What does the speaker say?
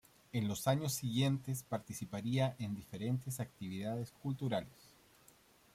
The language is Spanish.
En los años siguientes participaría en diferentes actividades culturales.